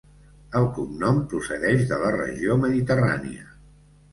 El cognom procedeix de la regió mediterrània.